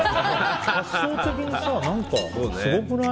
発想的にすごくない？